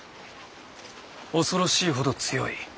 恐ろしいほど強い。